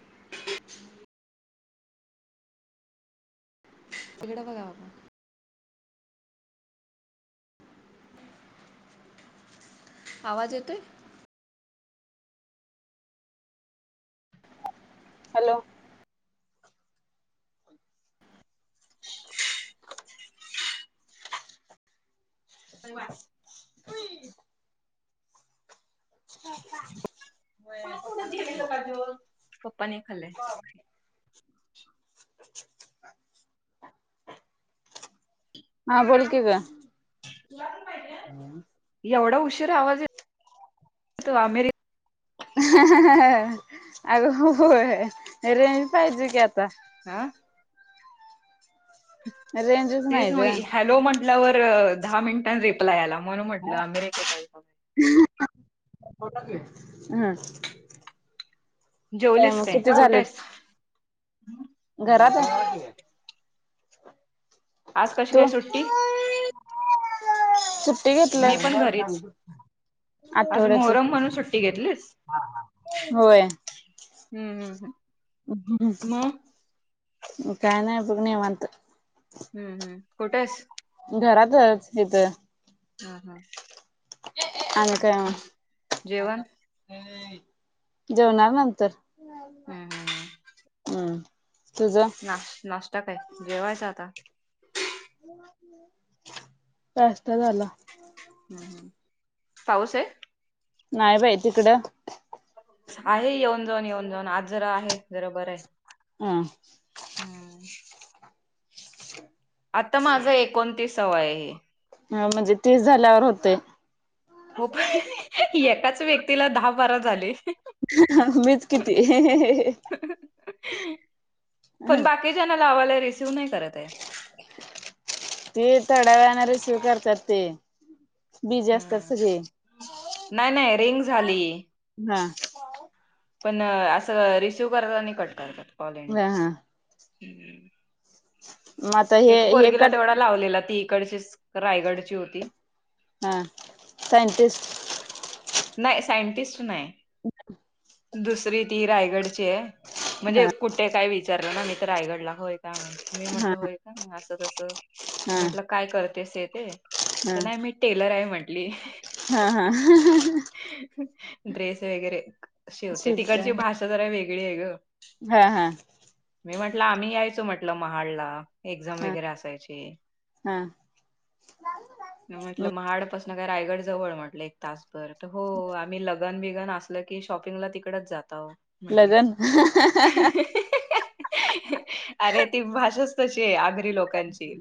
[inaudible] तिकडं बघा बा आवाज येतोय? हॅलो? [inaudible] [inaudible] [inaudible] पप्पाने खाल्लंय [inaudible] [inaudible] हा, बोल की ग. [unintelligible] [inaudible] [inaudible] एवढा उशीर आवाज यत [unintelligible] अमेरि अगं होय, रेंज पाहिजे की आता आ रेंजच तेच नाही ग म ह्या हॅलो म्हटल्यावर, दहा मिनिटांन रिप्लाय आला, म्हणून म्हटलं अमेरिकेत हायसा [unintelligible] हम. जेवलीस काय? कुठं झालेत हाईस? घरात हाय. आज कशी तू काय सुट्टी? सुट्टी मी घेतलंय पण घरीच. आज आठवड्याच मोहरम म्हणून सुट्टी घेतलीस? होय. हम्म हम् हम, म काय नाय बघ, निवांत. हम्म हम्म, कुठेस? घरातच, हित हा हा. आणि काय म? जेवण जेवणार नंतर. हम् हम. हम! नाश नाष्टा काय? जेवायच आता नाष्टा झाला. हम् हम्, पाऊसे? नाही बाई, तिकडं? आहे येऊन जाऊन, येऊन जाऊन, आज जरा आहे, जरा बरं आहे. हा. हम्म. आत्ता माझ एकोणतीसाव्व आहे हे. हा म्हणजे तेच झाल्यावर होते. हो, एकाच व्यक्तीला दहा बारा झाले. मीच किती किती जणांना लावालोय रिसीव्ह नाही करत आहे. ते थोड्या वेळाने रेसिव करतात ते. बिजी असतात हम्म सगळे, नाही नाही रिंग झाली. हा. पण असं रिसिव करतात आणि कट करतात कॉलिंग. हा हा मग आता हे हे पोरगीला कट तेवढा लावलेला ती इकडचीच. रायगडची होती. हा सायंटिस्ट नाही सायंटिस्ट नाही. [unintelligible] दुसरी ती रायगडची आहे. म्हणजे हा कुठ ते काय विचारलं ना, मी तर रायगडला. होय का. मी हा म्हटलं होय का असं तसं मी हा म्हटल, काय करतेस तेथे? हा तर नाही मी टेलर आहे म्हंटली. हा हा. ड्रेस वगैरे शिवते. सुद्धा तिकडची भाषा जरा वेगळी आहे गं. हा हा. मी म्हटलं आम्ही यायचो म्हटलं, महाडला एक्झाम हा वगैरे असायची. हा मी म्हटलं महाड पासन काय रायगड जवळ म्हटलं, एक तास. बर हो. आम्ही लगन बिगन असल की शॉपिंगला तिकडच जाताव. लगन [unintelligible] अरे ती भाषाच तशी आहे. आगरी लोकांची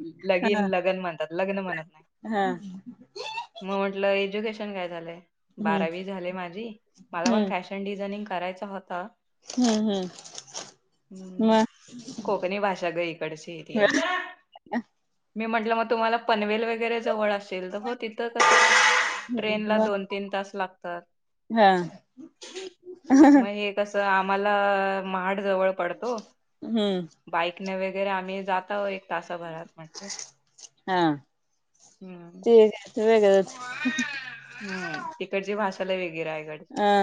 हा लगीन लगन म्हणतात. लग्न म्हणत हा. मी म्हटलं एज्युकेशन काय झालंय? हम्म बारावी झाले माझी. मला पण हम्म फॅशन डिझाइनिंग करायच होत. हम्म हम्म. हम्म, मग कोकणी भाषा ग इकडची ती. मी म्हटलं मग तुम्हाला पनवेल वगैरे जवळ असेल. तर हो तिथं तर ट्रेनला मग दोन तीन तास लागतात. हा मग हे कस आम्हाला महाड जवळ पडतो. हम्म बाईकने वगैरे आम्ही जाताव एक तासाभरात. हा. [inaudible] ते एक वेगळच हम्म, तिकडची भाषा लई वेगळी आहे. रायगड हा.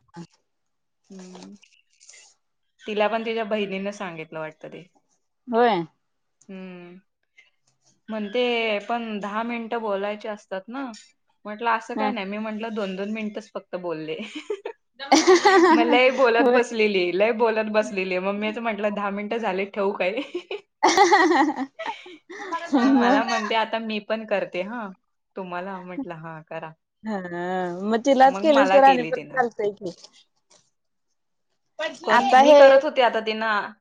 हम्म, तिला पण तिच्या बहिणीन सांगितलं वाटतं. होय. हम्म. म्हणते पण दहा मिनटं बोलायचे असतात ना. म्हटलं अस ह काय नाही. मी म्हंटलं दोन दोन मिनिटच फक्त बोलले. मग लई बोलत होय बसलेली. लई बोलत बसलेली. मग मी च म्हटलं दहा मिनिटं झाले ठेवू काय. मग मला म्हणते आता मी पण करते हा तुम्हाला म्हटलं हा करा हा मग तिलाच केलीस मला तर आणि केली परत तिनं चालतय की कोण आता मी हे करत होते आता तिनं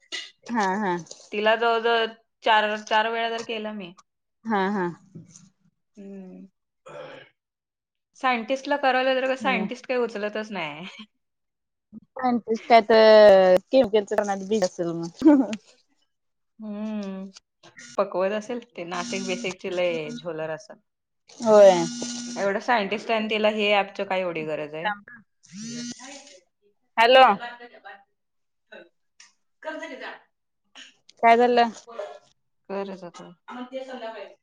हा हा तिला जवळ जवळ चार चार वेळा तर केल मी हा हा सायंटिस्ट ला करायला गेलं तर म सायंटिस्ट काय उचलतच नाय हाय. सायंटिस्ट काय त किर किर करण्यात बिझी असेल मग हम्म पकवत असेल ते नाशिक बेशिकची लय झोलर असतात होय. एवढं सायंटिस्ट आणि तिला हे ॲपच काय एवढी गरज आहे. [inaudible] [inaudible] हॅलो काय झालं दे संध्याकाळी